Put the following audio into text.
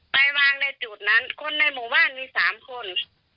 ไปวางในจุดนั้นคนในหมู่บ้านมี๓คน